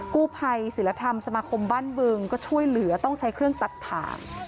กู้ภัยศิลธรรมสมาคมบ้านบึงก็ช่วยเหลือต้องใช้เครื่องตัดถ่าง